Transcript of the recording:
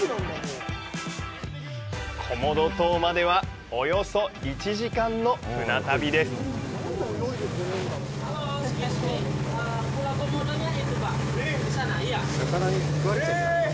コモド島までは、およそ１時間の船旅です。えっ！？